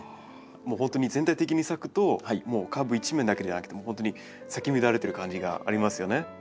もう本当に全体的に咲くと株一面だけじゃなくて本当に咲き乱れてる感じがありますよね。